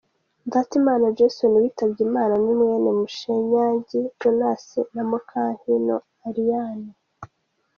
Ndatimana Jason witabye Imana ni mwene Munyeshangi Jonas na Mukankiko Eliane.